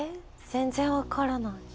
全然分からない。